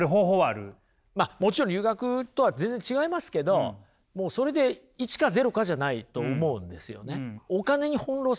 まあもちろん留学とは全然違いますけどそれで１か０かじゃないと思うんですよね。